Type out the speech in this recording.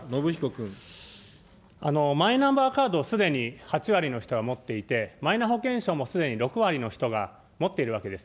マイナンバーカードはすでに、８割の人が持っていて、マイナ保険証もすでに６割の人が持っているわけです。